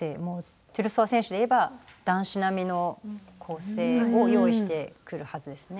トゥルソワ選手でいえば男子並みの構成を用意してくるはずですね。